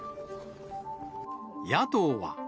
野党は。